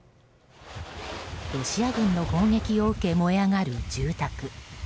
ロシア軍の砲撃を受け燃え上がる住宅。